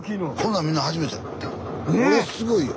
これすごいよ。